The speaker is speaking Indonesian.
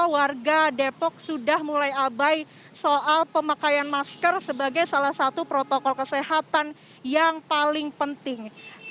warga depok sudah mulai abai soal pemakaian masker sebagai salah satu protokol kesehatan yang paling penting